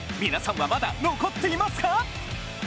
皆さんはまだ残っていますか？